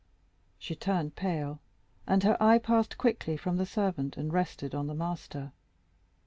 She turned pale, and her eye passed quickly from the servant and rested on the master.